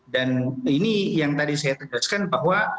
dan ini yang tadi saya tegaskan bahwa